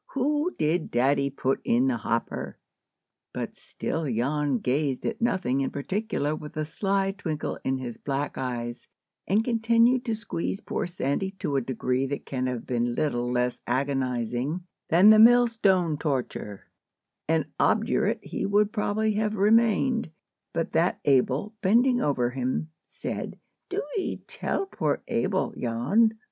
"Who did daddy put in the hopper?" But still Jan gazed at nothing in particular with a sly twinkle in his black eyes, and continued to squeeze poor Sandy to a degree that can have been little less agonizing than the millstone torture; and obdurate he would probably have remained, but that Abel, bending over him, said, "Do 'ee tell poor Abel, Jan."